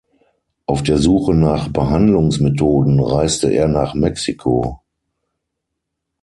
Auf der Suche nach Behandlungsmethoden reiste er nach Mexiko.